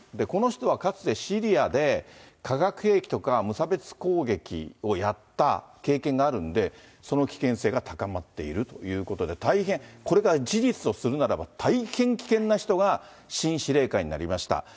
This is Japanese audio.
この人はかつてシリアで、化学兵器とか無差別攻撃をやった経験があるので、その危険性が高まっているということで、大変、これが事実とするならば、大変危険な人が、新司令官になりました。